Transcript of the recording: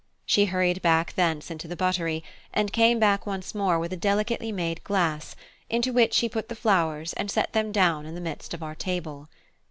She hurried back thence into the buttery, and came back once more with a delicately made glass, into which she put the flowers and set them down in the midst of our table.